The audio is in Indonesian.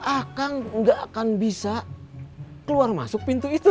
akang gak akan bisa keluar masuk pintu itu